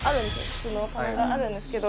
靴の棚があるんですけど。